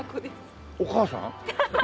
お母さん？